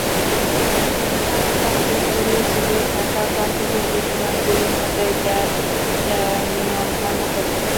পৃথিবীর নানা প্রান্তে ছড়িয়ে ছিটিয়ে থাকা প্রাকৃতিক বিস্ময়গুলোর মধ্যে গ্র্যান্ড ক্যনিয়ন অন্যতম।